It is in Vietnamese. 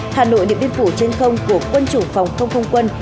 hà nội điện biên phủ trên không của quân chủ phòng không không quân